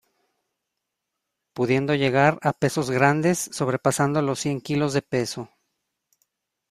Pudiendo llegar a pesos grandes sobrepasando los cien kilos de peso.